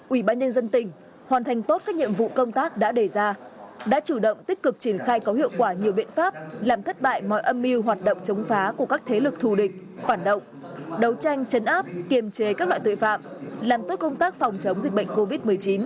ủy ban nhân dân tỉnh hoàn thành tốt các nhiệm vụ công tác đã đề ra đã chủ động tích cực triển khai có hiệu quả nhiều biện pháp làm thất bại mọi âm mưu hoạt động chống phá của các thế lực thù địch phản động đấu tranh chấn áp kiềm chế các loại tội phạm làm tốt công tác phòng chống dịch bệnh covid một mươi chín